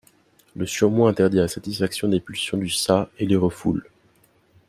Le Surmoi interdit la satisfaction des pulsions du Ça et les refoule.